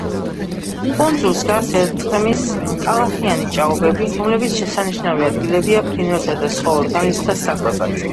კუნძულს გარს ერტყმის ტალახიანი ჭაობები, რომლებიც შესანიშნავი ადგილებია ფრინველთა და სხვა ორგანიზმთა საკვებად.